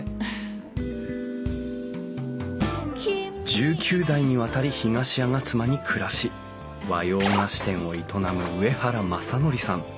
１９代にわたり東吾妻に暮らし和洋菓子店を営む上原政則さん。